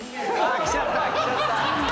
きちゃった。